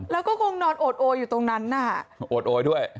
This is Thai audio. แล้วก็คงนอนโอดโออยู่ตรงนั้นน่ะโอดโอยด้วย